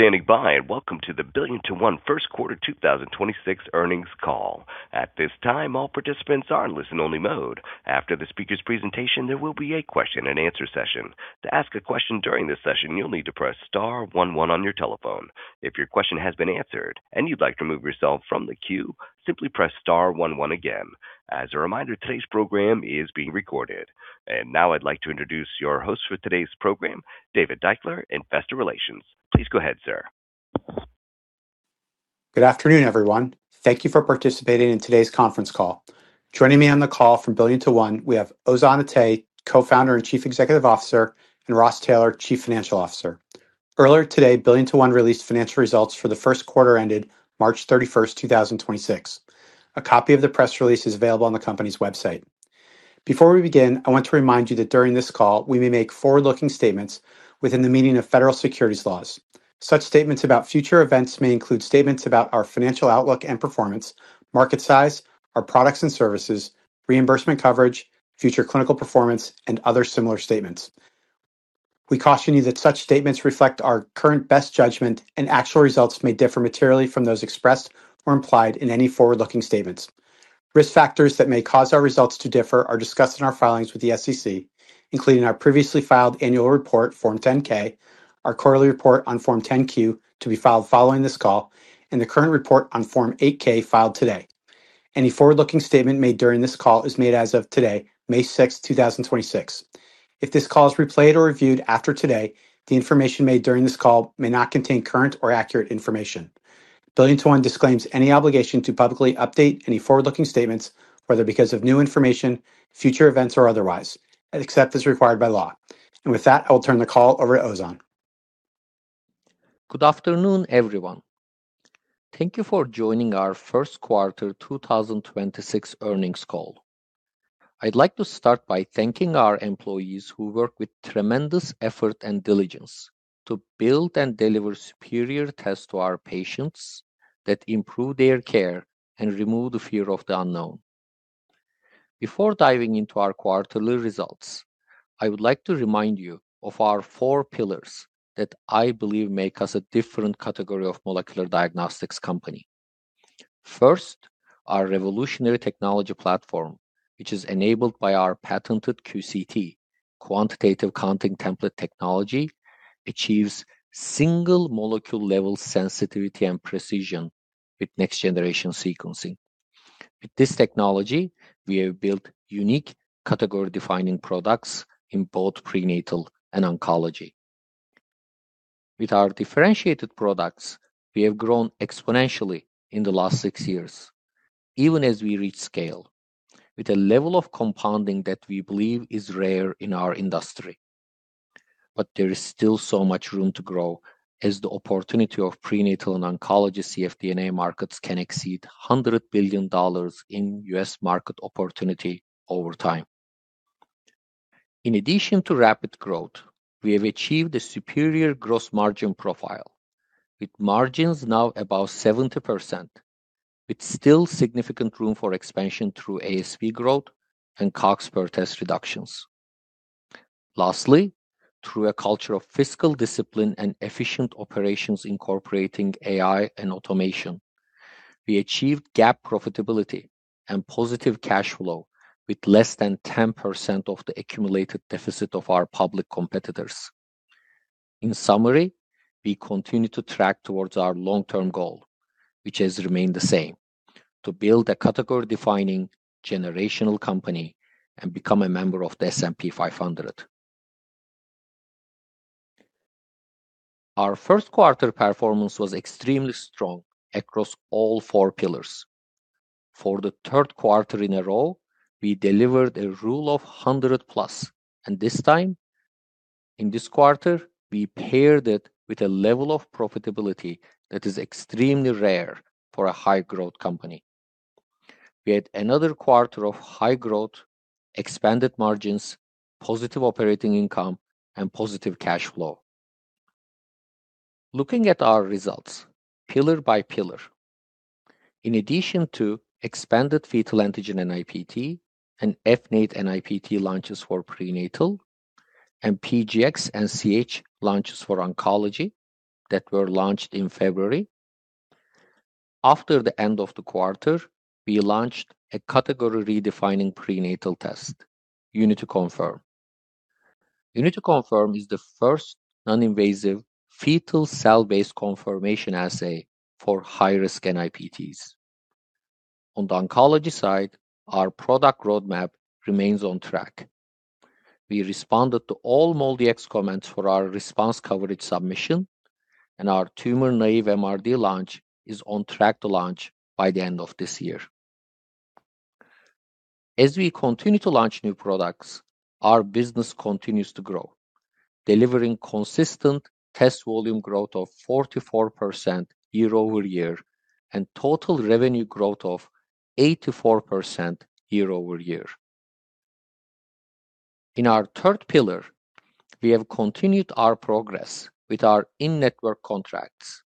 Thank you for standing by, and welcome to the BillionToOne first quarter 2026 earnings call. At this time, all participants are in listen-only mode. After the speaker's presentation, there will be a question and answer session. To ask a question during the session, you'll need to press star one one on your telephone. If your question has been answered and you'd like to move yourself from the queue, simply press star one one again. As a reminder, today's program is being recorded. Now I'd like to introduce your host for today's program, David Deichler, Investor Relations. Please go ahead, sir. Good afternoon, everyone. Thank you for participating in today's conference call. Joining me on the call from BillionToOne we have Ozan Atay, Co-Founder and Chief Executive Officer, and Ross Taylor, Chief Financial Officer. Earlier today, BillionToOne released financial results for the first quarter ended March 31st, 2026. A copy of the press release is available on the company's website. Before we begin, I want to remind you that during this call we may make forward-looking statements within the meaning of federal securities laws. Such statements about future events may include statements about our financial outlook and performance, market size, our products and services, reimbursement coverage, future clinical performance, and other similar statements. We caution you that such statements reflect our current best judgment, and actual results may differ materially from those expressed or implied in any forward-looking statements. Risk factors that may cause our results to differ are discussed in our filings with the SEC, including our previously filed annual report, Form 10-K, our quarterly report on Form 10-Q, to be filed following this call, and the current report on Form 8-K, filed today. Any forward-looking statement made during this call is made as of today, May 6th, 2026. If this call is replayed or reviewed after today, the information made during this call may not contain current or accurate information. BillionToOne disclaims any obligation to publicly update any forward-looking statements, whether because of new information, future events, or otherwise, except as required by law. With that, I'll turn the call over to Ozan. Good afternoon, everyone. Thank you for joining our first quarter 2026 earnings call. I'd like to start by thanking our employees who work with tremendous effort and diligence to build and deliver superior tests to our patients that improve their care and remove the fear of the unknown. Before diving into our quarterly results, I would like to remind you of our four pillars that I believe make us a different category of molecular diagnostics company. First, our revolutionary technology platform, which is enabled by our patented QCT, Quantitative Counting Template technology, achieves single molecule-level sensitivity and precision with next-generation sequencing. With this technology, we have built unique category-defining products in both prenatal and oncology. With our differentiated products, we have grown exponentially in the last six years, even as we reach scale, with a level of compounding that we believe is rare in our industry. There is still so much room to grow as the opportunity of prenatal and oncology cfDNA markets can exceed $100 billion in U.S. market opportunity over time. In addition to rapid growth, we have achieved a superior gross margin profile, with margins now above 70%, with still significant room for expansion through ASP growth and COGS per test reductions. Lastly, through a culture of fiscal discipline and efficient operations incorporating AI and automation, we achieved GAAP profitability and positive cash flow with less than 10% of the accumulated deficit of our public competitors. In summary, we continue to track towards our long-term goal, which has remained the same, to build a category-defining generational company and become a member of the S&P 500. Our first quarter performance was extremely strong across all four pillars. For the third quarter in a row, we delivered a Rule of 100+, this time, in this quarter, we paired it with a level of profitability that is extremely rare for a high-growth company. We had another quarter of high growth, expanded margins, positive operating income, and positive cash flow. Looking at our results pillar by pillar, in addition to expanded Fetal Antigen NIPT and FNAIT NIPT launches for prenatal and PGx and CH launches for oncology that were launched in February, after the end of the quarter, we launched a category-redefining prenatal test, UNITY Confirm. UNITY Confirm is the first non-invasive fetal cell-based confirmation assay for high-risk NIPTs. On the oncology side, our product roadmap remains on track. We responded to all MolDX comments for our response coverage submission, our tumor naive MRD launch is on track to launch by the end of this year. As we continue to launch new products, our business continues to grow, delivering consistent test volume growth of 44% year-over-year and total revenue growth of 84% year-over-year. In our third pillar, we have continued our progress with our in-network contracts.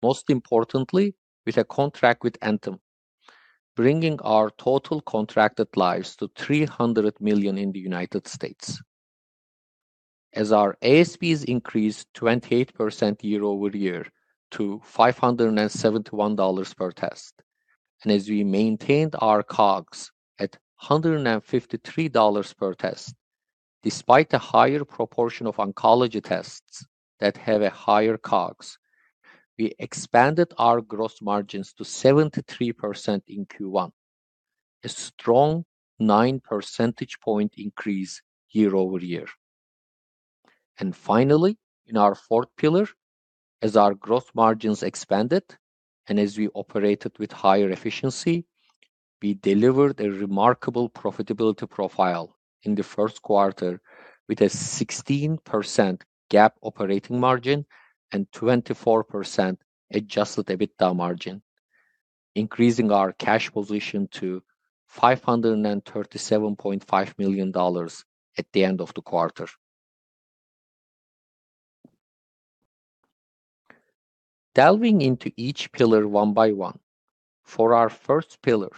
Most importantly, with a contract with Anthem, bringing our total contracted lives to 300 million in the U.S. As our ASPs increased 28% year-over-year to $571 per test, and as we maintained our COGS at $153 per test, despite a higher proportion of oncology tests that have a higher COGS, we expanded our gross margins to 73% in Q1, a strong 9 percentage point increase year-over-year. Finally, in our fourth pillar, as our growth margins expanded and as we operated with higher efficiency, we delivered a remarkable profitability profile in the first quarter with a 16% GAAP operating margin and 24% adjusted EBITDA margin, increasing our cash position to $537.5 million at the end of the quarter. Delving into each pillar one by one. For our first pillar,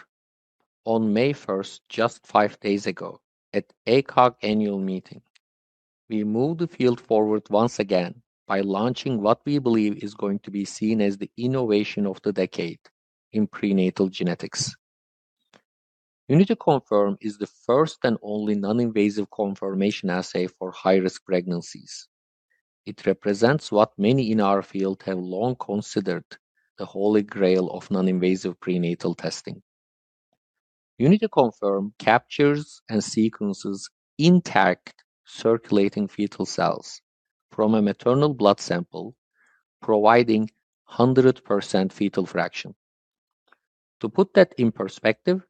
on May 1st, just five days ago, at ACOG Annual Meeting, we moved the field forward once again by launching what we believe is going to be seen as the innovation of the decade in prenatal genetics. UNITY Confirm is the first and only non-invasive confirmation assay for high-risk pregnancies. It represents what many in our field have long considered the holy grail of non-invasive prenatal testing. UNITY Confirm captures and sequences intact circulating fetal cells from a maternal blood sample, providing 100% fetal fraction. To put that in perspective,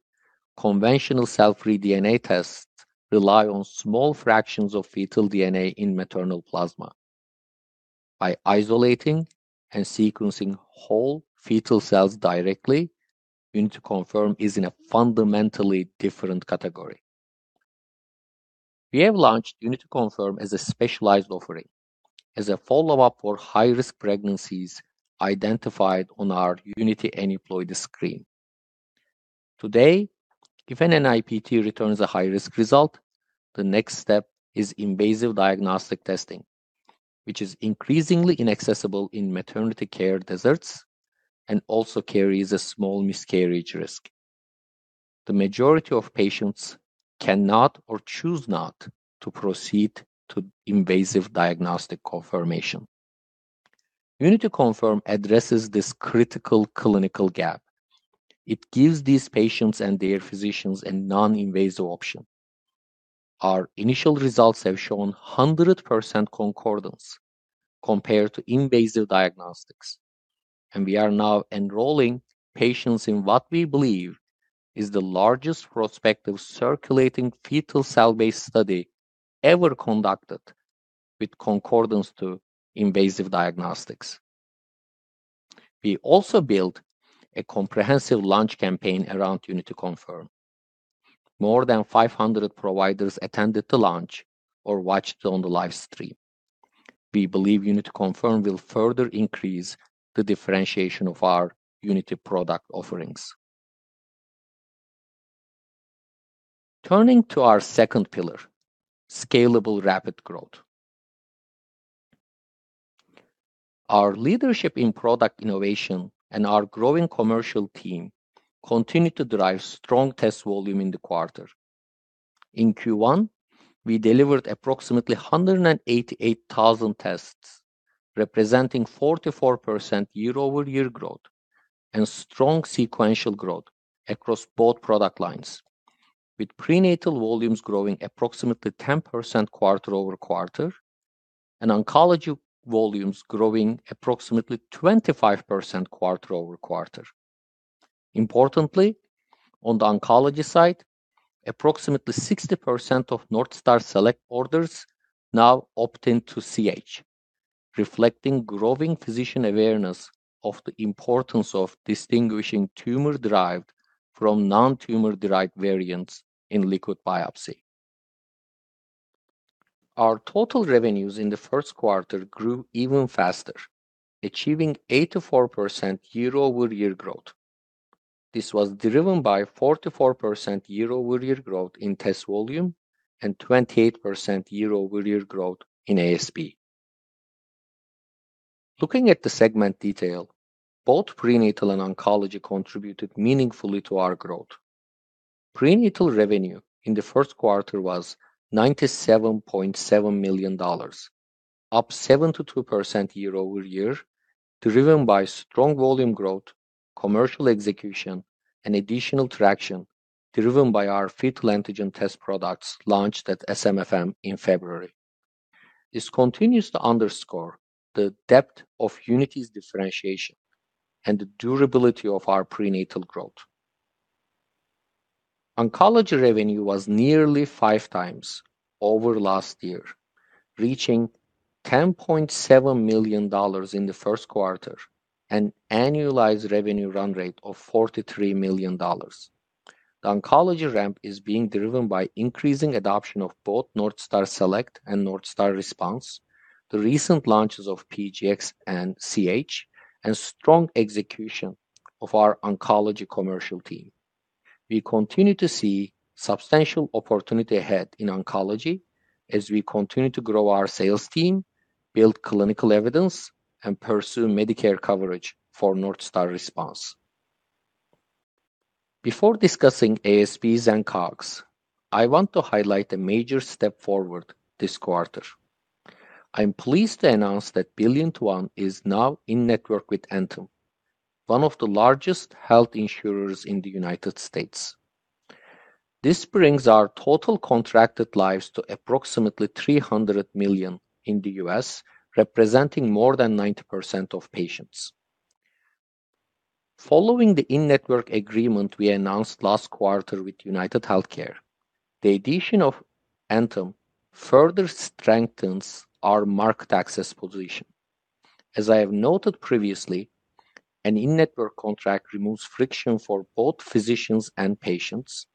conventional cell-free DNA tests rely on small fractions of fetal DNA in maternal plasma. By isolating and sequencing whole fetal cells directly, UNITY Confirm is in a fundamentally different category. We have launched UNITY Confirm as a specialized offering, as a follow-up for high-risk pregnancies identified on our UNITY Aneuploidy Screen. Today, if an NIPT returns a high-risk result, the next step is invasive diagnostic testing, which is increasingly inaccessible in maternity care deserts and also carries a small miscarriage risk. The majority of patients cannot or choose not to proceed to invasive diagnostic confirmation. UNITY Confirm addresses this critical clinical gap. It gives these patients and their physicians a non-invasive option. Our initial results have shown 100% concordance compared to invasive diagnostics, and we are now enrolling patients in what we believe is the largest prospective circulating fetal cell-based study ever conducted with concordance to invasive diagnostics. We also built a comprehensive launch campaign around UNITY Confirm. More than 500 providers attended the launch or watched on the live stream. We believe UNITY Confirm will further increase the differentiation of our Unity product offerings. Turning to our second pillar, scalable rapid growth. Our leadership in product innovation and our growing commercial team continued to drive strong test volume in the quarter. In Q1, we delivered approximately 188,000 tests, representing 44% year-over-year growth and strong sequential growth across both product lines, with prenatal volumes growing approximately 10% quarter-over-quarter and oncology volumes growing approximately 25% quarter-over-quarter. Importantly, on the oncology side, approximately 60% of Northstar Select orders now opt in to CH, reflecting growing physician awareness of the importance of distinguishing tumor-derived from non-tumor derived variants in liquid biopsy. Our total revenues in the first quarter grew even faster, achieving 84% year-over-year growth. This was driven by 44% year-over-year growth in test volume and 28% year-over-year growth in ASP. Looking at the segment detail, both prenatal and oncology contributed meaningfully to our growth. Prenatal revenue in the first quarter was $97.7 million, up 72% year-over-year, driven by strong volume growth, commercial execution, and additional traction driven by our fetal antigen test products launched at SMFM in February. This continues to underscore the depth of Unity's differentiation and the durability of our prenatal growth. Oncology revenue was nearly 5x over last year, reaching $10.7 million in the first quarter, an annualized revenue run rate of $43 million. The oncology ramp is being driven by increasing adoption of both Northstar Select and Northstar Response, the recent launches of PGx and CH, and strong execution of our oncology commercial team. We continue to see substantial opportunity ahead in oncology as we continue to grow our sales team, build clinical evidence, and pursue Medicare coverage for Northstar Response. Before discussing ASPs and COGS, I want to highlight a major step forward this quarter. I'm pleased to announce that BillionToOne is now in-network with Anthem, one of the largest health insurers in the U.S. This brings our total contracted lives to approximately 300 million in the U.S., representing more than 90% of patients. Following the in-network agreement we announced last quarter with UnitedHealthcare, the addition of Anthem further strengthens our market access position. As I have noted previously, an in-network contract removes friction for both physicians and patients,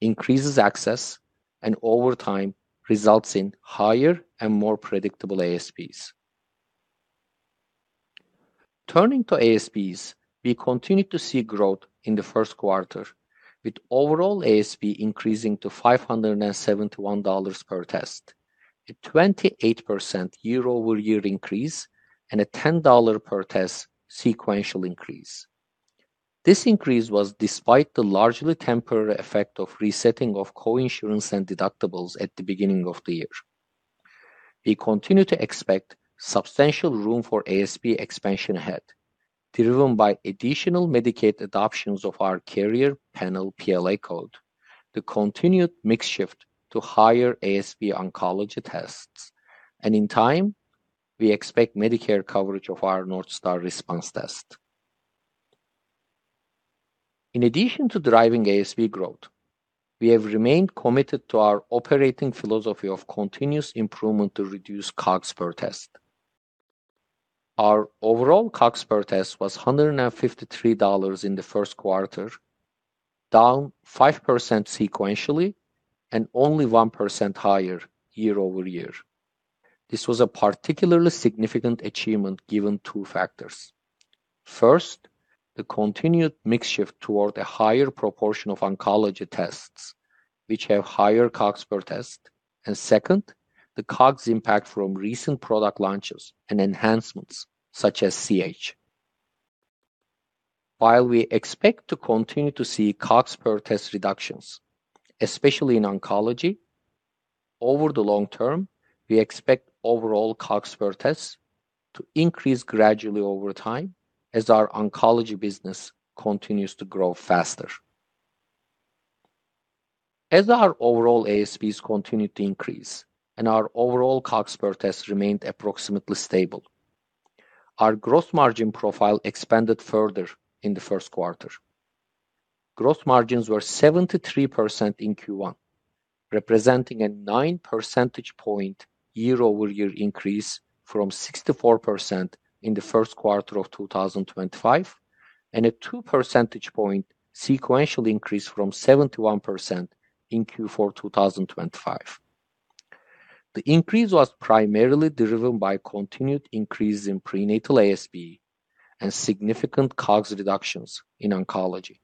increases access, and over time, results in higher and more predictable ASPs. Turning to ASPs, we continued to see growth in the first quarter, with overall ASP increasing to $571 per test, a 28% year-over-year increase and a $10 per test sequential increase. This increase was despite the largely temporary effect of resetting of coinsurance and deductibles at the beginning of the year. We continue to expect substantial room for ASP expansion ahead, driven by additional Medicaid adoptions of our carrier panel PLA code, the continued mix shift to higher ASP oncology tests, and in time, we expect Medicare coverage of our Northstar Response test. In addition to driving ASP growth, we have remained committed to our operating philosophy of continuous improvement to reduce COGS per test. Our overall COGS per test was $153 in the first quarter, down 5% sequentially and only 1% higher year-over-year. This was a particularly significant achievement given two factors. First, the continued mix shift toward a higher proportion of oncology tests, which have higher COGS per test. Second, the COGS impact from recent product launches and enhancements such as CH. While we expect to continue to see COGS per test reductions, especially in oncology, over the long term, we expect overall COGS per test to increase gradually over time as our oncology business continues to grow faster. As our overall ASPs continued to increase and our overall COGS per test remained approximately stable, our gross margin profile expanded further in the first quarter. Gross margins were 73% in Q1, representing a 9 percentage point year-over-year increase from 64% in the first quarter of 2025, and a 2 percentage point sequential increase from 71% in Q4 2025. The increase was primarily driven by continued increases in prenatal ASP and significant COGS reductions in oncology.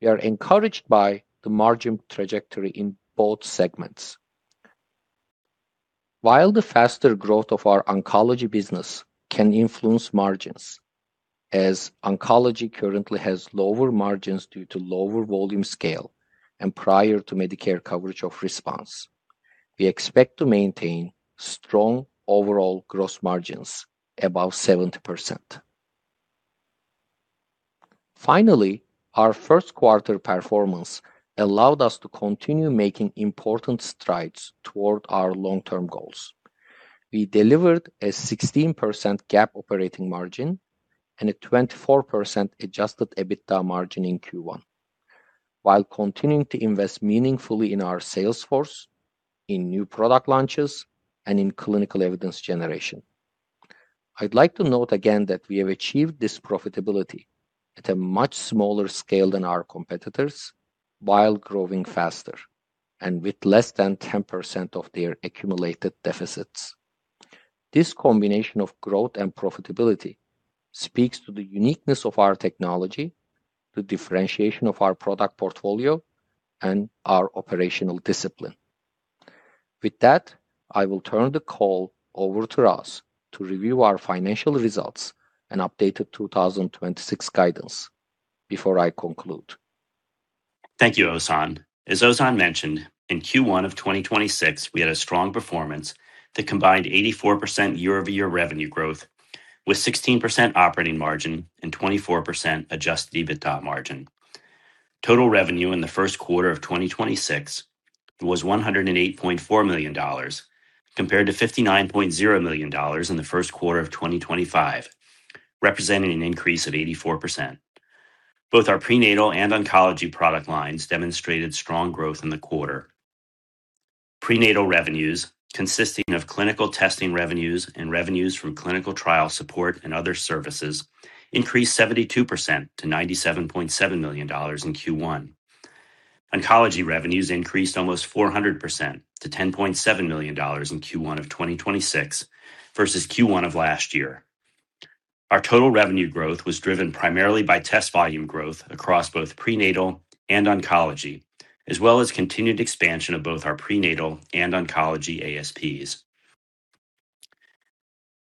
We are encouraged by the margin trajectory in both segments. While the faster growth of our oncology business can influence margins, as oncology currently has lower margins due to lower volume scale and prior to Medicare coverage of Response, we expect to maintain strong overall gross margins above 70%. Finally, our first quarter performance allowed us to continue making important strides toward our long-term goals. We delivered a 16% GAAP operating margin and a 24% adjusted EBITDA margin in Q1, while continuing to invest meaningfully in our sales force, in new product launches, and in clinical evidence generation. I'd like to note again that we have achieved this profitability at a much smaller scale than our competitors while growing faster and with less than 10% of their accumulated deficits. This combination of growth and profitability speaks to the uniqueness of our technology, the differentiation of our product portfolio, and our operational discipline. With that, I will turn the call over to Ross to review our financial results and updated 2026 guidance before I conclude. Thank you, Ozan. As Ozan mentioned, in Q1 of 2026, we had a strong performance that combined 84% year-over-year revenue growth with 16% operating margin and 24% adjusted EBITDA margin. Total revenue in the first quarter of 2026 was $108.4 million, compared to $59.0 million in the first quarter of 2025, representing an increase of 84%. Both our prenatal and oncology product lines demonstrated strong growth in the quarter. Prenatal revenues, consisting of clinical testing revenues and revenues from clinical trial support and other services, increased 72% to $97.7 million in Q1. Oncology revenues increased almost 400% to $10.7 million in Q1 of 2026 versus Q1 of last year. Our total revenue growth was driven primarily by test volume growth across both prenatal and oncology, as well as continued expansion of both our prenatal and oncology ASPs.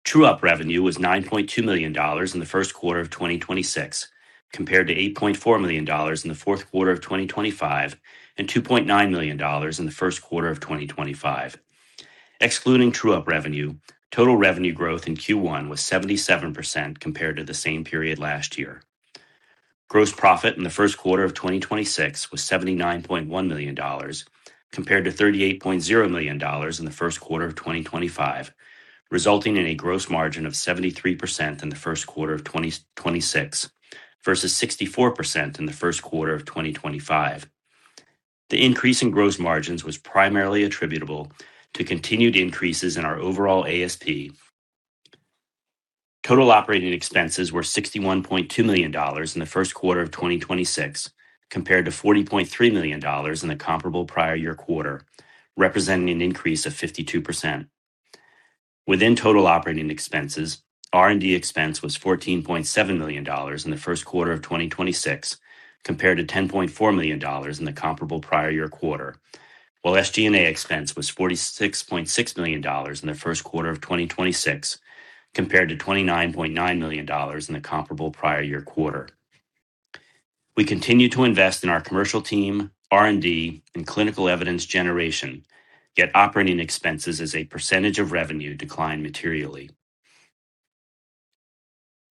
True-up revenue was $9.2 million in the first quarter of 2026, compared to $8.4 million in the fourth quarter of 2025, and $2.9 million in the first quarter of 2025. Excluding true-up revenue, total revenue growth in Q1 was 77% compared to the same period last year. Gross profit in the first quarter of 2026 was $79.1 million compared to $38.0 million in the first quarter of 2025, resulting in a gross margin of 73% in the first quarter of 2026 versus 64% in the first quarter of 2025. The increase in gross margins was primarily attributable to continued increases in our overall ASP. Total operating expenses were $61.2 million in the first quarter of 2026, compared to $40.3 million in the comparable prior year quarter, representing an increase of 52%. Within total operating expenses, R&D expense was $14.7 million in the first quarter of 2026, compared to $10.4 million in the comparable prior year quarter. While SG&A expense was $46.6 million in the first quarter of 2026, compared to $29.9 million in the comparable prior year quarter. We continue to invest in our commercial team, R&D, and clinical evidence generation, yet operating expenses as a percentage of revenue declined materially.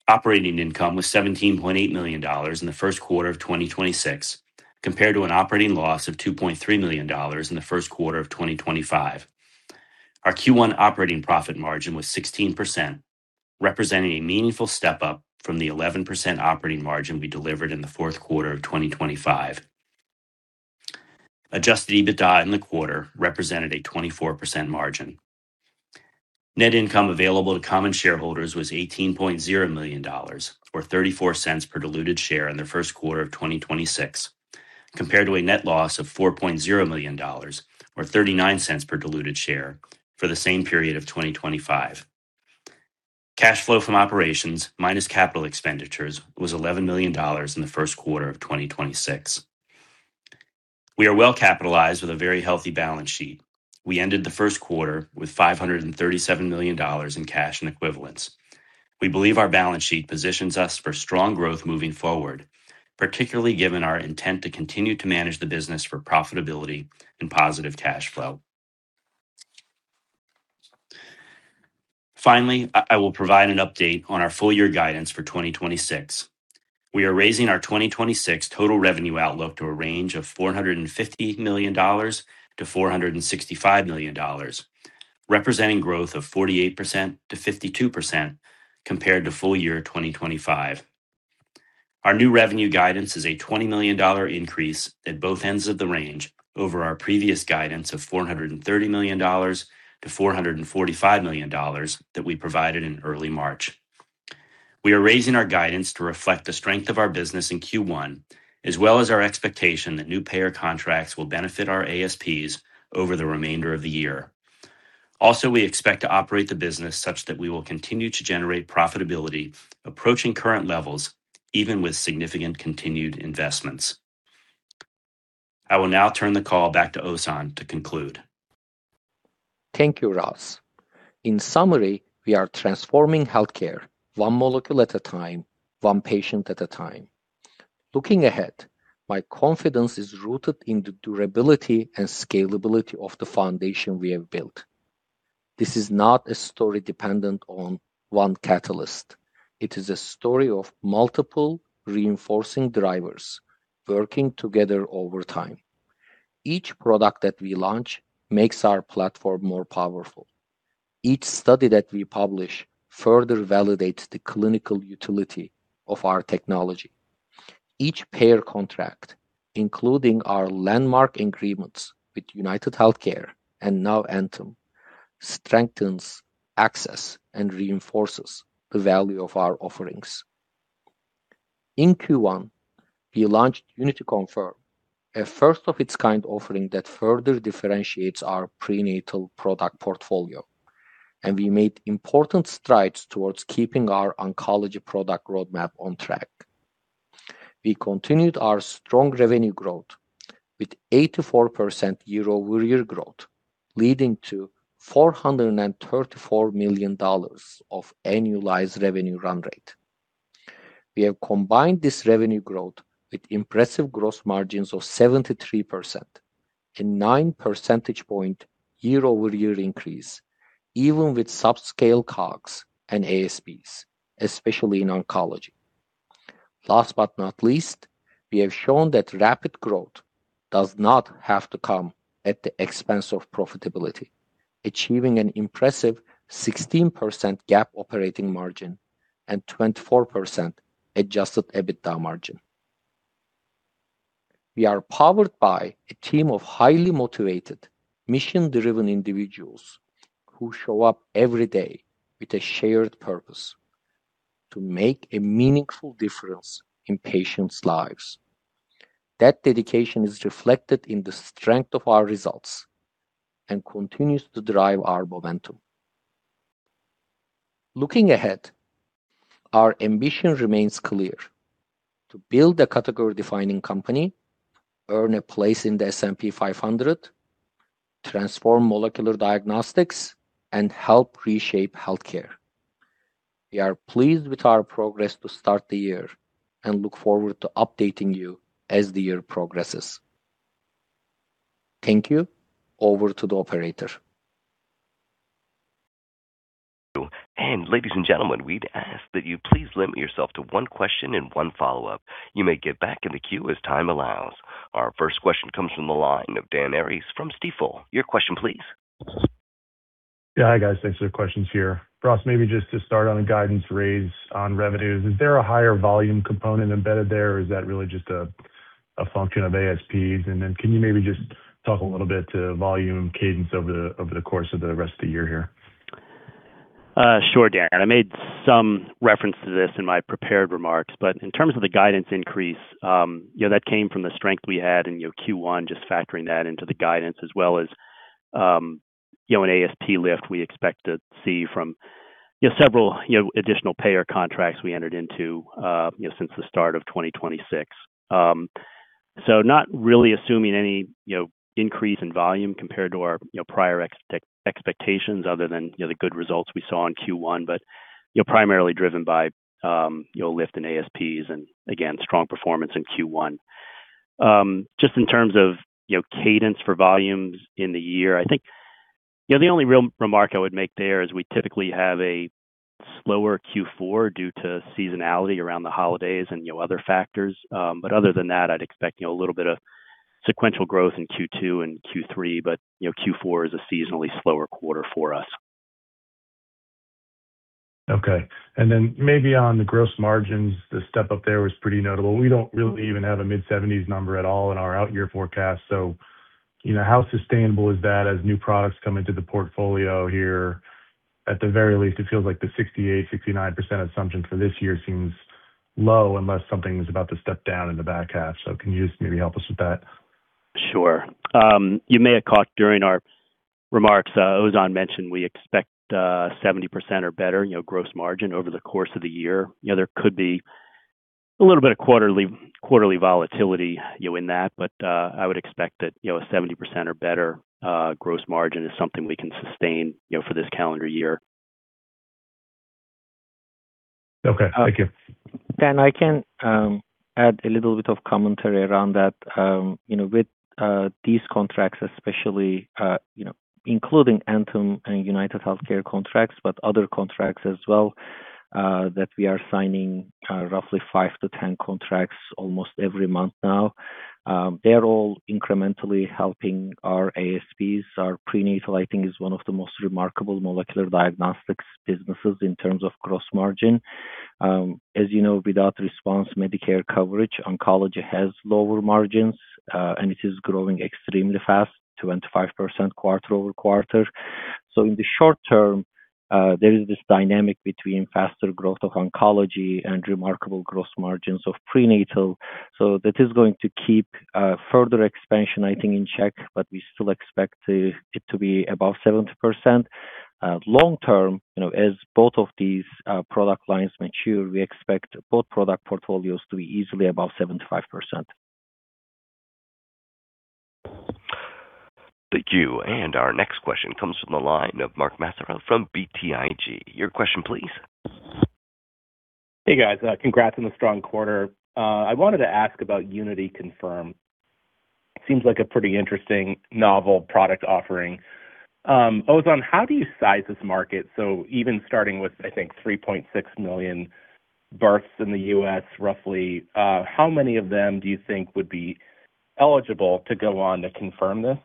Operating income was $17.8 million in the first quarter of 2026, compared to an operating loss of $2.3 million in the first quarter of 2025. Our Q1 operating profit margin was 16%, representing a meaningful step-up from the 11% operating margin we delivered in the fourth quarter of 2025. Adjusted EBITDA in the quarter represented a 24% margin. Net income available to common shareholders was $18.0 million, or $0.34 per diluted share in the first quarter of 2026, compared to a net loss of $4.0 million, or $0.39 per diluted share for the same period of 2025. Cash flow from operations minus capital expenditures was $11 million in the first quarter of 2026. We are well-capitalized with a very healthy balance sheet. We ended the first quarter with $537 million in cash and equivalents. We believe our balance sheet positions us for strong growth moving forward, particularly given our intent to continue to manage the business for profitability and positive cash flow. I will provide an update on our full year guidance for 2026. We are raising our 2026 total revenue outlook to a range of $450 million-$465 million, representing growth of 48%-52% compared to full year 2025. Our new revenue guidance is a $20 million increase at both ends of the range over our previous guidance of $430 million-$445 million that we provided in early March. We are raising our guidance to reflect the strength of our business in Q1, as well as our expectation that new payer contracts will benefit our ASPs over the remainder of the year. We expect to operate the business such that we will continue to generate profitability approaching current levels, even with significant continued investments. I will now turn the call back to Ozan to conclude. Thank you, Ross. In summary, we are transforming healthcare one molecule at a time, one patient at a time. Looking ahead, my confidence is rooted in the durability and scalability of the foundation we have built. This is not a story dependent on one catalyst. It is a story of multiple reinforcing drivers working together over time. Each product that we launch makes our platform more powerful. Each study that we publish further validates the clinical utility of our technology. Each payer contract, including our landmark agreements with UnitedHealthcare and now Anthem, strengthens access and reinforces the value of our offerings. In Q1, we launched UNITY Confirm, a first-of-its-kind offering that further differentiates our prenatal product portfolio, and we made important strides towards keeping our oncology product roadmap on track. We continued our strong revenue growth with 84% year-over-year growth, leading to $434 million of annualized revenue run rate. We have combined this revenue growth with impressive gross margins of 73%, a 9 percentage point year-over-year increase, even with subscale COGS and ASPs, especially in oncology. Last but not least, we have shown that rapid growth does not have to come at the expense of profitability, achieving an impressive 16% GAAP operating margin and 24% adjusted EBITDA margin. We are powered by a team of highly motivated, mission-driven individuals who show up every day with a shared purpose to make a meaningful difference in patients' lives. That dedication is reflected in the strength of our results and continues to drive our momentum. Looking ahead, our ambition remains clear. To build a category-defining company, earn a place in the S&P 500, transform molecular diagnostics, and help reshape healthcare. We are pleased with our progress to start the year and look forward to updating you as the year progresses. Thank you. Over to the operator. Ladies and gentlemen, we'd ask that you please limit yourself to one question and one follow-up. You may get back in the queue as time allows. Our first question comes from the line of Dan Arias from Stifel. Your question please. Yeah. Hi, guys. Thanks for the questions here. Ross, maybe just to start on the guidance raise on revenues, is there a higher volume component embedded there, or is that really just a function of ASPs? Can you maybe just talk a little bit to volume cadence over the course of the rest of the year here? Sure, Dan. I made some reference to this in my prepared remarks. In terms of the guidance increase, that came from the strength we had in Q1, just factoring that into the guidance as well as an ASP lift we expect to see from several additional payer contracts we entered into since the start of 2026. Not really assuming any increase in volume compared to our prior expectations other than the good results we saw in Q1. Primarily driven by lift in ASPs and again, strong performance in Q1. Just in terms of, you know, cadence for volumes in the year, I think, you know, the only real remark I would make there is we typically have a slower Q4 due to seasonality around the holidays and, you know, other factors. Other than that, I'd expect, you know, a little bit of sequential growth in Q2 and Q3, but, you know, Q4 is a seasonally slower quarter for us. Okay. Maybe on the gross margins, the step up there was pretty notable. We don't really even have a mid-70s number at all in our out year forecast. You know, how sustainable is that as new products come into the portfolio here? At the very least, it feels like the 68%-69% assumption for this year seems low unless something is about to step down in the back half. Can you just maybe help us with that? Sure. You may have caught during our remarks, Ozan mentioned we expect, 70% or better, you know, gross margin over the course of the year. You know, there could be a little bit of quarterly volatility, you know, in that. I would expect that, you know, a 70% or better, gross margin is something we can sustain, you know, for this calendar year. Okay. Thank you. Dan, I can add a little bit of commentary around that. You know, with these contracts, especially, you know, including Anthem and UnitedHealthcare contracts, but other contracts as well, that we are signing, roughly five to 10 contracts almost every month now. They're all incrementally helping our ASPs. Our prenatal, I think, is one of the most remarkable molecular diagnostics businesses in terms of gross margin. As you know, without response Medicare coverage, oncology has lower margins, and it is growing extremely fast, 25% quarter-over-quarter. In the short term, there is this dynamic between faster growth of oncology and remarkable gross margins of prenatal. That is going to keep further expansion, I think, in check, but we still expect it to be above 70%. Long term, you know, as both of these product lines mature, we expect both product portfolios to be easily above 75%. Thank you. Our next question comes from the line of Mark Massaro from BTIG. Your question please. Hey, guys. Congrats on the strong quarter. I wanted to ask about UNITY Confirm. Seems like a pretty interesting novel product offering. Ozan, how do you size this market? Even starting with, I think, 3.6 million births in the U.S. roughly, how many of them do you think would be eligible to go on to confirm this?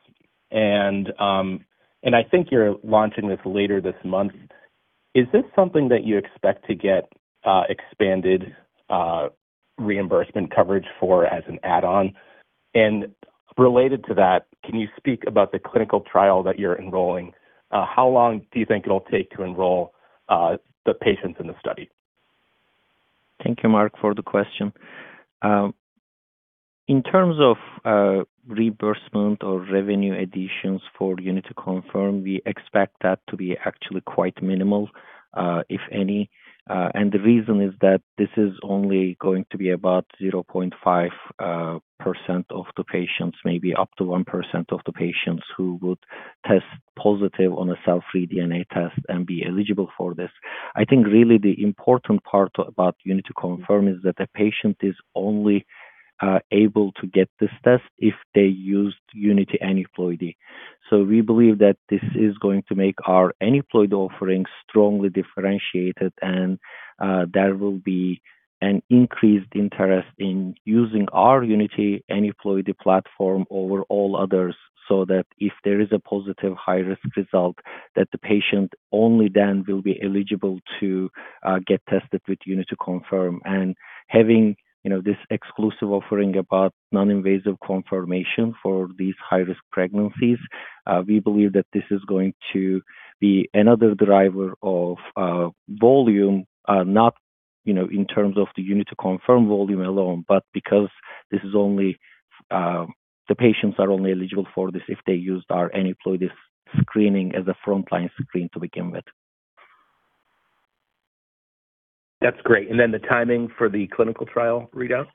I think you're launching this later this month. Is this something that you expect to get expanded reimbursement coverage for as an add-on? Related to that, can you speak about the clinical trial that you're enrolling? How long do you think it'll take to enroll the patients in the study? Thank you, Mark, for the question. In terms of reimbursement or revenue additions for UNITY Confirm, we expect that to be actually quite minimal, if any. The reason is that this is only going to be about 0.5% of the patients, maybe up to 1% of the patients who would test positive on a cell-free DNA test and be eligible for this. I think really the important part about UNITY Confirm is that the patient is only able to get this test if they used UNITY Aneuploidy. We believe that this is going to make our aneuploidy offering strongly differentiated and there will be an increased interest in using our UNITY Aneuploidy platform over all others, so that if there is a positive high risk result, that the patient only then will be eligible to get tested with UNITY Confirm. Having, you know, this exclusive offering about non-invasive confirmation for these high-risk pregnancies, we believe that this is going to be another driver of volume in terms of the UNITY Confirm volume alone, but because this is only, the patients are only eligible for this if they used our aneuploidies screening as a frontline screen to begin with. That's great. The timing for the clinical trial readout?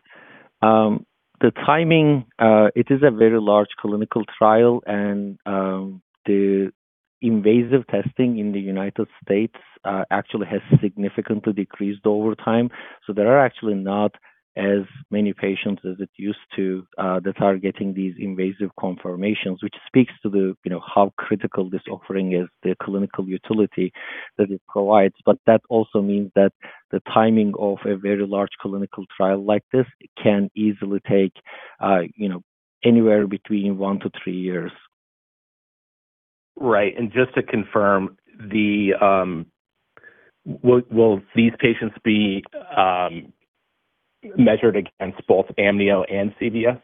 The timing, it is a very large clinical trial and, the invasive testing in the U.S., actually has significantly decreased over time. There are actually not as many patients as it used to, that are getting these invasive confirmations, which speaks to the, you know, how critical this offering is, the clinical utility that it provides. That also means that the timing of a very large clinical trial like this can easily take, you know, anywhere between one to three years. Right. Just to confirm the, Will these patients be measured against both amnio and CVS?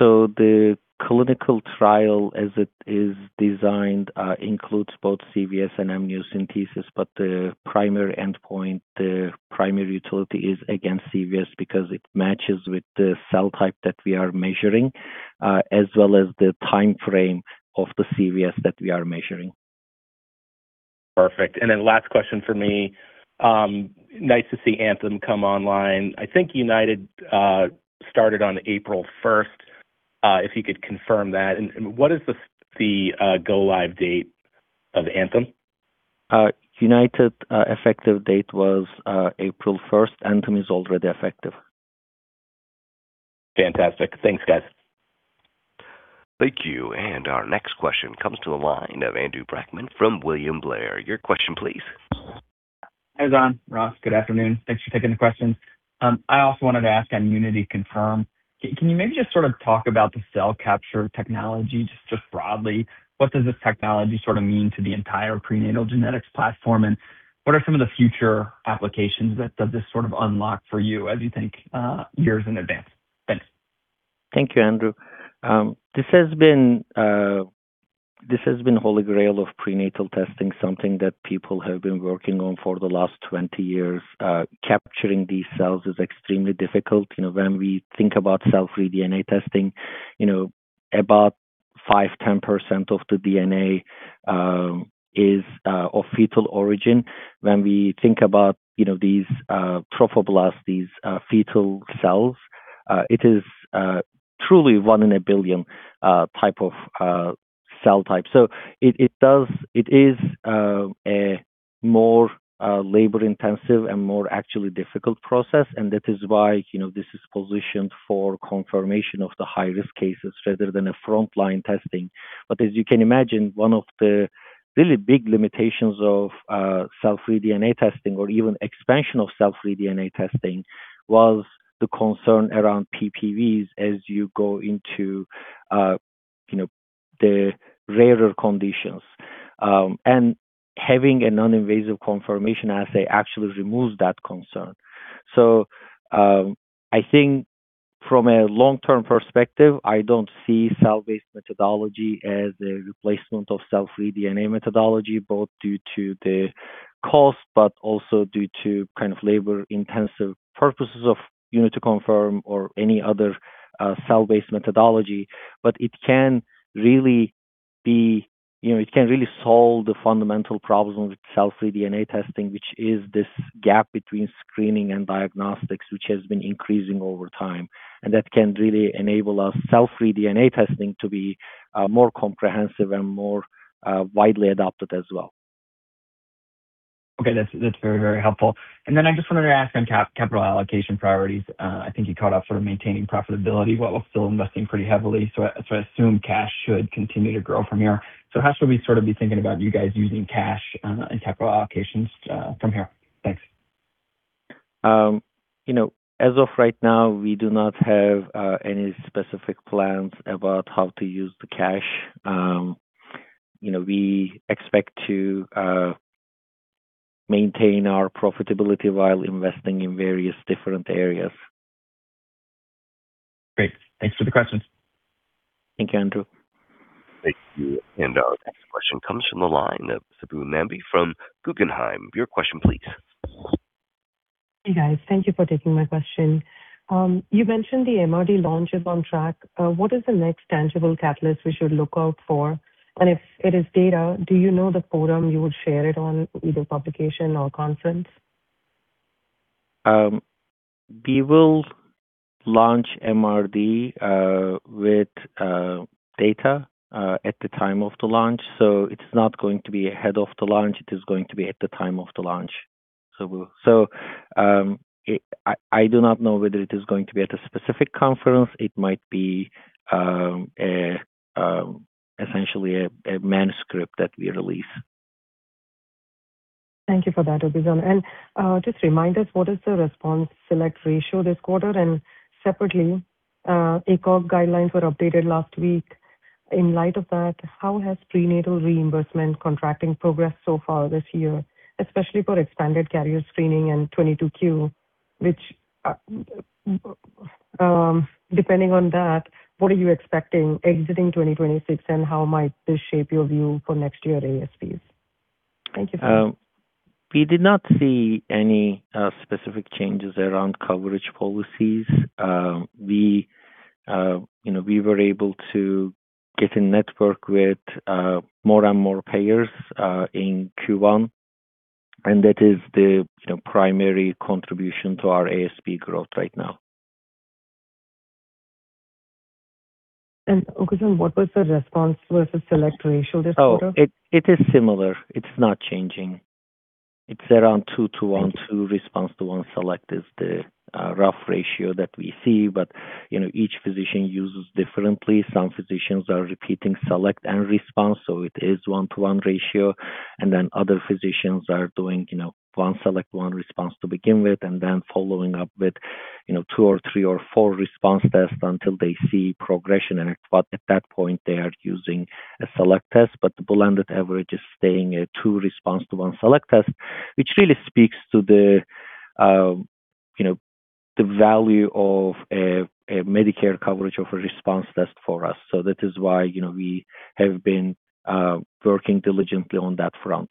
The clinical trial, as it is designed, includes both CVS and amniocentesis, but the primary endpoint, the primary utility is against CVS because it matches with the cell type that we are measuring, as well as the timeframe of the CVS that we are measuring. Perfect. Last question from me. Nice to see Anthem come online. I think United started on April first, if you could confirm that. What is the go live date of Anthem? United, effective date was April 1st. Anthem is already effective. Fantastic. Thanks, guys. Thank you. Our next question comes to the line of Andrew Brackmann from William Blair. Your question please. Hi, Ozan, Ross, good afternoon. Thanks for taking the questions. I also wanted to ask on UNITY Confirm. Can you maybe just sort of talk about the cell capture technology, just broadly? What does this technology sort of mean to the entire prenatal genetics platform, and what are some of the future applications that does this sort of unlock for you as you think years in advance? Thanks. Thank you, Andrew. This has been holy grail of prenatal testing, something that people have been working on for the last 20 years. Capturing these cells is extremely difficult. You know, when we think about cell-free DNA testing, you know, about 5%, 10% of the DNA is of fetal origin. When we think about, you know, these trophoblasts, these fetal cells, it is truly 1 in a billion type of cell type. It is a more labor-intensive and more actually difficult process, and that is why, you know, this is positioned for confirmation of the high-risk cases rather than a frontline testing. As you can imagine, one of the really big limitations of cell-free DNA testing or even expansion of cell-free DNA testing was the concern around PPVs as you go into, you know, the rarer conditions. Having a non-invasive confirmation assay actually removes that concern. I think from a long-term perspective, I don't see cell-based methodology as a replacement of cell-free DNA methodology, both due to the cost, but also due to kind of labor-intensive purposes of UNITY Confirm or any other cell-based methodology. It can really be, you know, it can really solve the fundamental problems with cell-free DNA testing, which is this gap between screening and diagnostics, which has been increasing over time. That can really enable a cell-free DNA testing to be more comprehensive and more widely adopted as well. Okay. That's very, very helpful. I just wanted to ask on capital allocation priorities. I think you called out sort of maintaining profitability while still investing pretty heavily. I assume cash should continue to grow from here. How should we sort of be thinking about you guys using cash in capital allocations from here? Thanks. You know, as of right now, we do not have any specific plans about how to use the cash. You know, we expect to maintain our profitability while investing in various different areas. Great. Thanks for the questions. Thank you, Andrew. Thank you. Our next question comes from the line of Subbu Nambi from Guggenheim. Your question please. Hey, guys. Thank you for taking my question. You mentioned the MRD launch is on track. What is the next tangible catalyst we should look out for? If it is data, do you know the forum you would share it on, either publication or conference? We will launch MRD with data at the time of the launch. It's not going to be ahead of the launch, it is going to be at the time of the launch. I do not know whether it is going to be at a specific conference. It might be, a, essentially a manuscript that we release. Thank you for that, Ozan. Just remind us what is the response select ratio this quarter? Separately, ACOG guidelines were updated last week. In light of that, how has prenatal reimbursement contracting progressed so far this year, especially for expanded carrier screening and 22q? Which, depending on that, what are you expecting exiting 2026, and how might this shape your view for next year ASPs? Thank you. We did not see any specific changes around coverage policies. We, you know, were able to get in network with more and more payers in Q1, that is the, you know, primary contribution to our ASP growth right now. Oguzhan, what was the Response versus Select ratio this quarter? It is similar. It is not changing. It is around 2:1, two response to one select is the rough ratio that we see. You know, each physician uses differently. Some physicians are repeating select and response, so it is 1:1 ratio. Other physicians are doing, you know, one select, one response to begin with, and then following up with, you know, two or three or four response tests until they see progression. At that point, they are using a select test. The blended average is staying at two response to one select test, which really speaks to the, you know, the value of a Medicare coverage of a response test for us. That is why, you know, we have been working diligently on that front.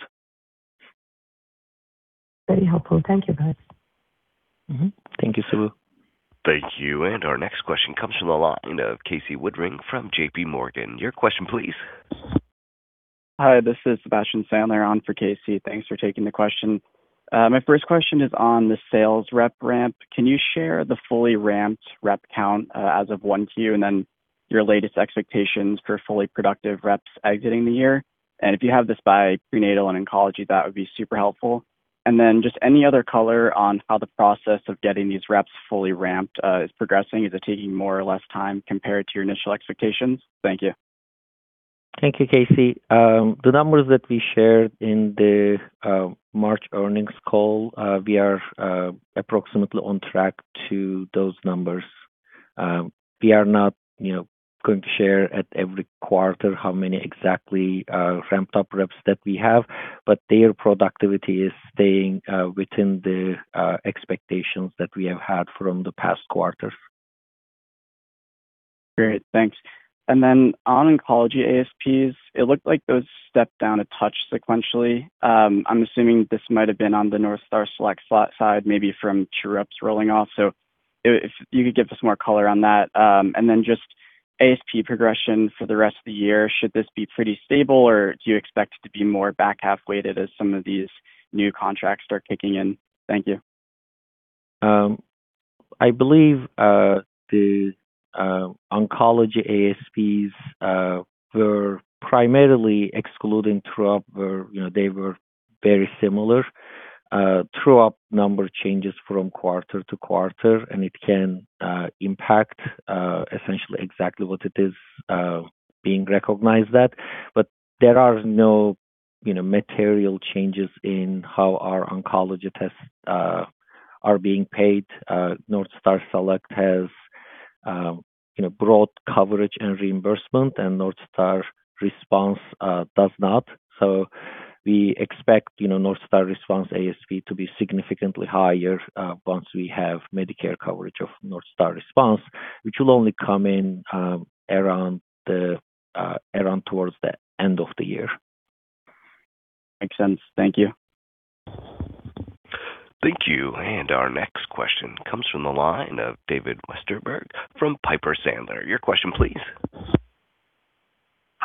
Very helpful. Thank you, guys. Mm-hmm. Thank you, Subbu. Thank you. Our next question comes from the line of Casey Woodring from JPMorgan. Your question please. Hi, this is Sebastian Sandler on for Casey. Thanks for taking the question. My first question is on the sales rep ramp. Can you share the fully ramped rep count as of 1Q? Your latest expectations for fully productive reps exiting the year. If you have this by prenatal and oncology, that would be super helpful. Just any other color on how the process of getting these reps fully ramped is progressing. Is it taking more or less time compared to your initial expectations? Thank you. Thank you, Casey. The numbers that we shared in the March earnings call, we are approximately on track to those numbers. We are not, you know, going to share at every quarter how many exactly ramped-up reps that we have, but their productivity is staying within the expectations that we have had from the past quarters. Great. Thanks. On oncology ASPs, it looked like those stepped down a touch sequentially. I'm assuming this might have been on the Northstar Select slot side, maybe from true-ups rolling off. If you could give us more color on that. Just ASP progression for the rest of the year, should this be pretty stable, or do you expect it to be more back-half weighted as some of these new contracts start kicking in? Thank you. I believe the oncology ASPs were primarily excluding true-up where, you know, they were very similar. True-up number changes from quarter to quarter, and it can impact essentially exactly what it is being recognized at. There are no, you know, material changes in how our oncology tests are being paid. Northstar Select has, you know, broad coverage and reimbursement, and Northstar Response does not. We expect, you know, Northstar Response ASP to be significantly higher once we have Medicare coverage of Northstar Response, which will only come in around the around towards the end of the year. Makes sense. Thank you. Thank you. Our next question comes from the line of David Westenberg from Piper Sandler. Your question please.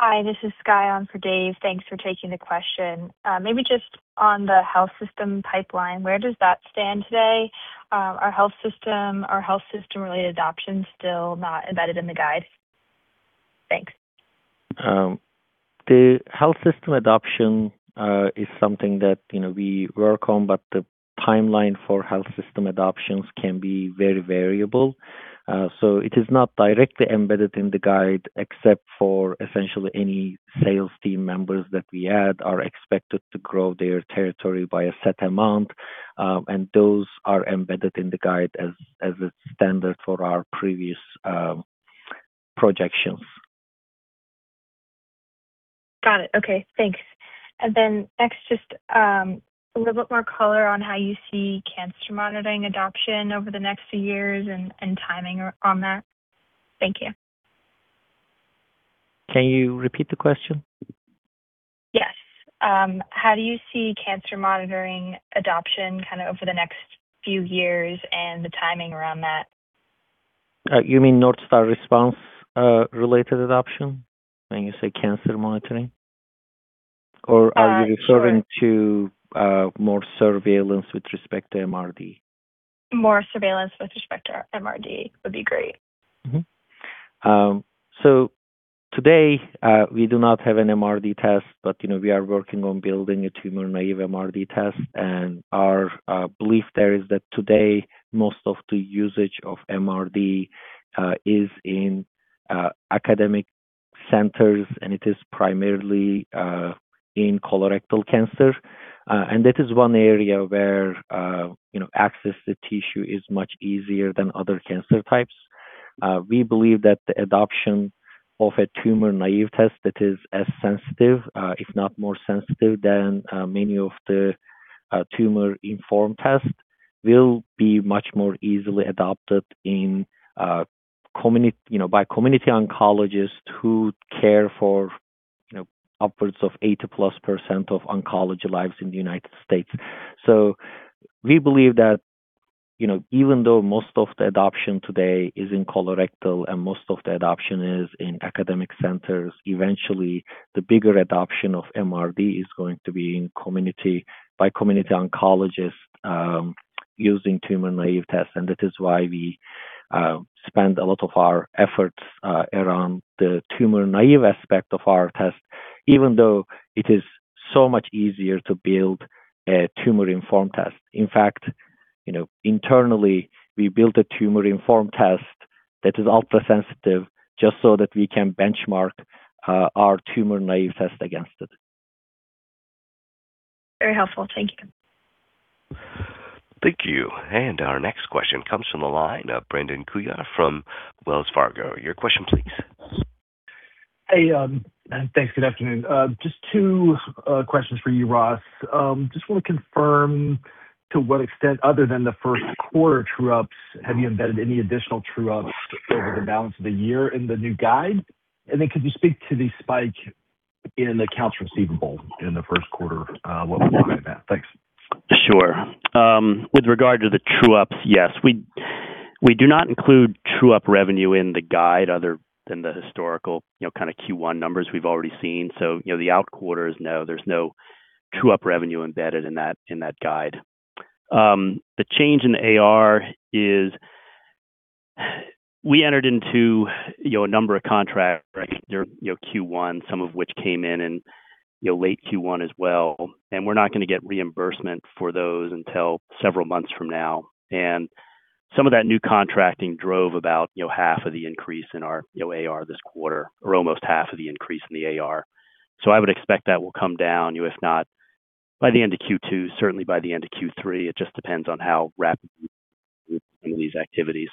Hi, this is Sky on for Dave. Thanks for taking the question. Maybe just on the health system pipeline, where does that stand today? Our health system-related adoption still not embedded in the guide. Thanks. The health system adoption is something that, you know, we work on, but the timeline for health system adoptions can be very variable. It is not directly embedded in the guide, except for essentially any sales team members that we add are expected to grow their territory by a set amount. Those are embedded in the guide as a standard for our previous projections. Got it. Okay. Thanks. Next, just a little bit more color on how you see cancer monitoring adoption over the next few years and timing on that. Thank you. Can you repeat the question? Yes. How do you see cancer monitoring adoption kind of over the next few years and the timing around that? You mean Northstar Response, related adoption when you say cancer monitoring? Sure. referring to more surveillance with respect to MRD? More surveillance with respect to MRD would be great. Today, we do not have an MRD test, but you know, we are working on building a tumor-naive MRD test. Our belief there is that today most of the usage of MRD is in academic centers, and it is primarily in colorectal cancer. That is one area where, you know, access to tissue is much easier than other cancer types. We believe that the adoption of a tumor-naive test that is as sensitive, if not more sensitive than many of the tumor-informed tests will be much more easily adopted in, you know, by community oncologists who care for, you know, upwards of 80%+ of oncology lives in the U.S. We believe that, you know, even though most of the adoption today is in colorectal and most of the adoption is in academic centers, eventually the bigger adoption of MRD is going to be in community by community oncologists, using tumor-naive tests. That is why we spend a lot of our efforts around the tumor-naive aspect of our test, even though it is so much easier to build a tumor-informed test. In fact, you know, internally, we built a tumor-informed test that is ultra-sensitive just so that we can benchmark our tumor-naive test against it. Very helpful. Thank you. Thank you. Our next question comes from the line of Brandon Couillard from Wells Fargo. Your question please. Hey, thanks. Good afternoon. Just two questions for you, Ross. Just wanna confirm to what extent other than the first quarter true-ups, have you embedded any additional true-ups over the balance of the year in the new guide? Then could you speak to the spike in accounts receivable in the first quarter, what's driving that? Thanks. Sure. With regard to the true-ups, yes. We do not include true-up revenue in the guide other than the historical, you know, kind of Q1 numbers we've already seen. You know, the out quarters, no, there's no true-up revenue embedded in that, in that guide. The change in the AR is, we entered into, you know, a number of contracts during, you know, Q1, some of which came in, you know, late Q1 as well, and we're not gonna get reimbursement for those until several months from now. Some of that new contracting drove about, you know, half of the increase in our, you know, AR this quarter or almost half of the increase in the AR. I would expect that will come down, you know, if not by the end of Q2, certainly by the end of Q3. It just depends on how rapidly these activities.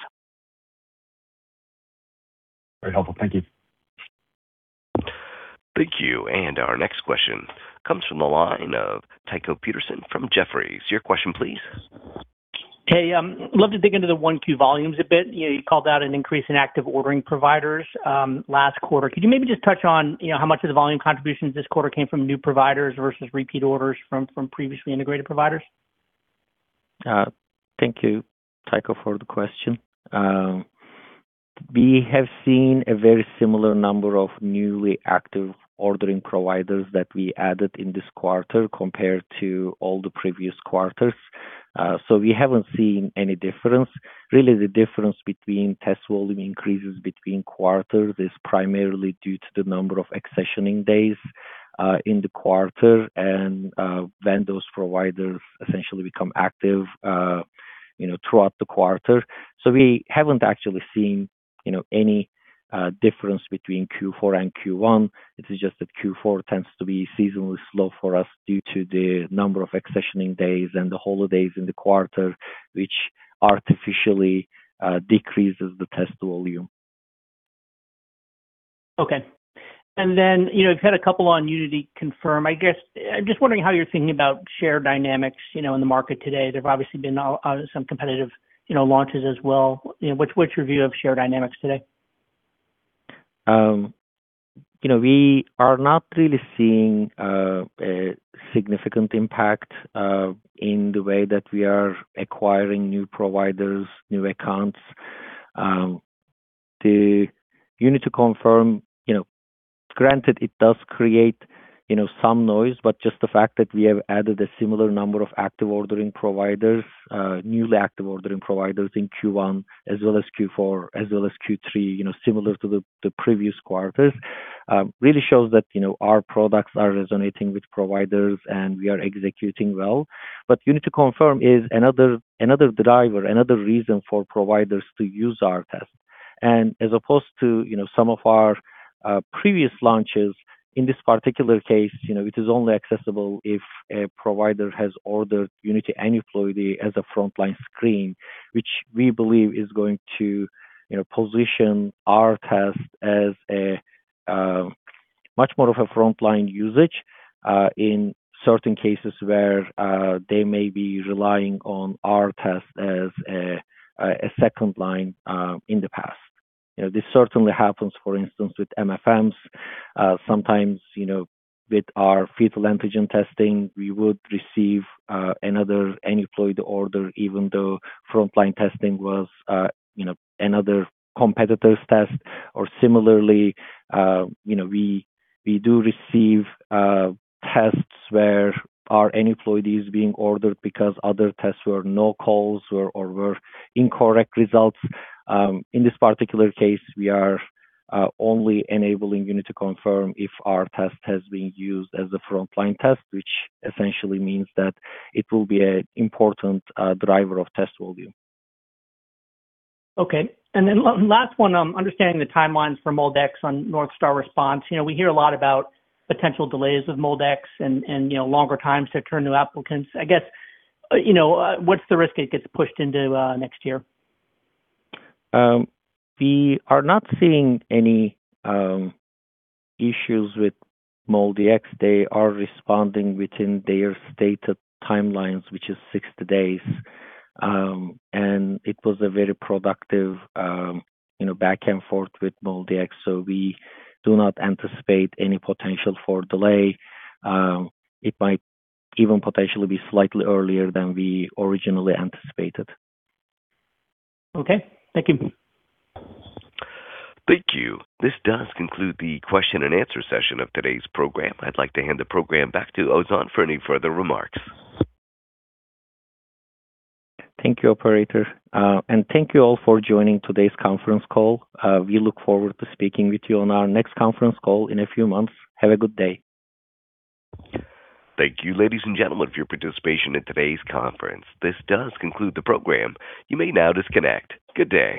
Very helpful. Thank you. Thank you. Our next question comes from the line of Tycho Peterson from Jefferies. Your question please. Hey. Love to dig into the 1Q volumes a bit. You know, you called out an increase in active ordering providers last quarter. Could you maybe just touch on, you know, how much of the volume contributions this quarter came from new providers versus repeat orders from previously integrated providers? Thank you, Tycho, for the question. We have seen a very similar number of newly active ordering providers that we added in this quarter compared to all the previous quarters. We haven't seen any difference. Really, the difference between test volume increases between quarters is primarily due to the number of accessioning days in the quarter and when those providers essentially become active, you know, throughout the quarter. We haven't actually seen, you know, any difference between Q4 and Q1. It is just that Q4 tends to be seasonally slow for us due to the number of accessioning days and the holidays in the quarter, which artificially decreases the test volume. Okay. You know, I've had a couple on UNITY Confirm. I guess I'm just wondering how you're thinking about share dynamics, you know, in the market today. There's obviously been some competitive, you know, launches as well. You know, what's your view of share dynamics today? You know, we are not really seeing a significant impact in the way that we are acquiring new providers, new accounts. The UNITY Confirm, you know, granted it does create, you know, some noise, but just the fact that we have added a similar number of active ordering providers, newly active ordering providers in Q1 as well as Q4 as well as Q3, you know, similar to the previous quarters, really shows that, you know, our products are resonating with providers and we are executing well. UNITY Confirm is another driver, another reason for providers to use our test. As opposed to, you know, some of our previous launches, in this particular case, you know, it is only accessible if a provider has ordered UNITY Aneuploidy as a frontline screen, which we believe is going to, you know, position our test as a much more of a frontline usage in certain cases where they may be relying on our test as a second line in the past. You know, this certainly happens for instance with MFMs. Sometimes, you know, with our UNITY Fetal Antigen NIPT, we would receive another UNITY Aneuploidy Screen order even though frontline testing was, you know, another competitor's test or similarly, you know, we do receive tests where our UNITY Aneuploidy Screen is being ordered because other tests were no calls or were incorrect results. In this particular case, we are only enabling UNITY Confirm if our test has been used as a frontline test, which essentially means that it will be an important driver of test volume. Okay. last one, understanding the timelines for MolDX on Northstar Response. You know, we hear a lot about potential delays of MolDX and, you know, longer times to turn to applicants. I guess, you know, what's the risk it gets pushed into next year? We are not seeing any issues with MolDX. They are responding within their stated timelines, which is 60 days. It was a very productive, you know, back and forth with MolDX. We do not anticipate any potential for delay. It might even potentially be slightly earlier than we originally anticipated. Okay. Thank you. Thank you. This does conclude the question and answer session of today's program. I'd like to hand the program back to Ozan Atay for any further remarks. Thank you, operator. Thank you all for joining today's conference call. We look forward to speaking with you on our next conference call in a few months. Have a good day. Thank you, ladies and gentlemen for your participation in today's conference. This does conclude the program. You may now disconnect. Good day.